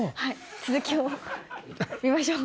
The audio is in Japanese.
続きを見ましょう。